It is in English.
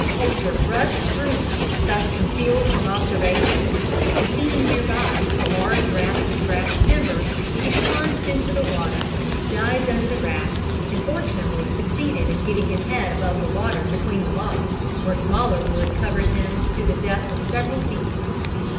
Colter rushed through them, thus concealed from observation, and seeing near by a large raft of drift timber, he plunged into the water, dived under the raft and fortunately succeeded in getting his head above the water between the logs, where smaller wood covered him to the depth of several feet.